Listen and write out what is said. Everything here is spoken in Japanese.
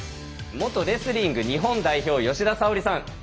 元レスリング日本代表吉田沙保里さん。